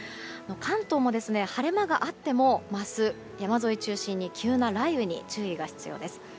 関東も晴れ間があっても明日、山沿いを中心に急な雷雨に注意が必要です。